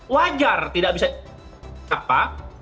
wajar tidak bisa kita pahami